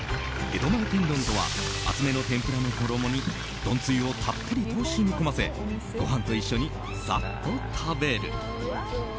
江戸前天丼とは厚めの天ぷらの衣に丼つゆをたっぷりと染み込ませご飯と一緒にさっと食べる。